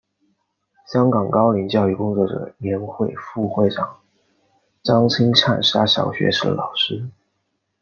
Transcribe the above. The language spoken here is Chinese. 香港高龄教育工作者联会副会长张钦灿是他小学时的老师。